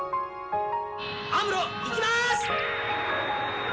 アムロいきます！